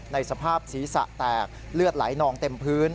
สภาพศีรษะแตกเลือดไหลนองเต็มพื้น